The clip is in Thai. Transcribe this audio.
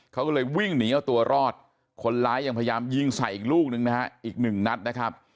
เขาก็เลยวิ่งหนีเอาตัวรอดคนร้ายยังพยายามยิงใส่อีกลูกหนึ่งนะฮะ